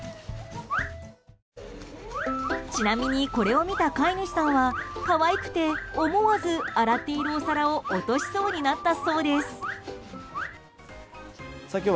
ちなみにこれを見た飼い主さんは可愛くて思わず洗っているお皿を落としそうになったそうです。